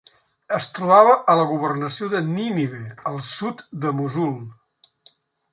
Es trobava a la Governació de Nínive, al sud de Mossul.